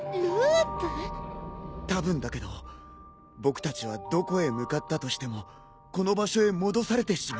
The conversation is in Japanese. たぶんだけど僕たちはどこへ向かったとしてもこの場所へ戻されてしまう。